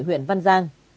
huyện văn giang